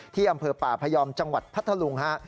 ที่อำเภอป่าพยอมจังหวัดพัทธลุงฮะ